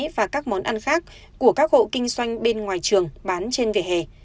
và các món ăn khác của các hộ kinh doanh bên ngoài trường bán trên vỉa hè